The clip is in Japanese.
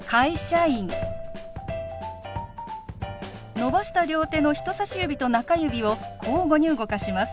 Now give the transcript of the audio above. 伸ばした両手の人さし指と中指を交互に動かします。